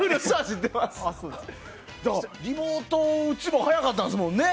リモートも早かったですもんね。